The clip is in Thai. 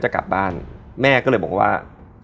กลับบ้านแม่ก็เลยบอกว่า